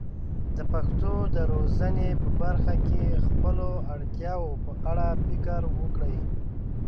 د پښتو د روزنې په برخه کې د خپلو اړتیاوو په اړه فکر وکړي.